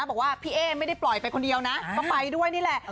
บอกว่าพี่เอ๊ไม่ได้ปล่อยไปคนเดียวนะก็ไปด้วยนี่แหละ